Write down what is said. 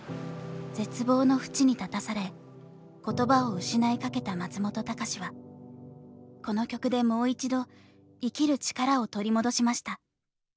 絶望の淵に立たされ言葉を失いかけた松本隆はこの曲でもう一度生きる力を取り戻しました。